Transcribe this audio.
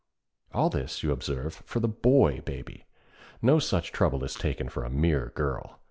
All this, you observe, for the boy baby. No such trouble is taken for a mere girl.